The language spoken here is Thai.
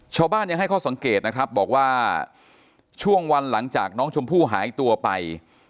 ชาวบ้านยังให้ข้อสังเกตนะครับบอกว่าช่วงวันหลังจากน้องชมพู่หายตัวไป